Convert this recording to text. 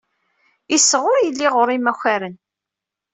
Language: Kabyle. Iseɣ ur yelli ɣur imakaren.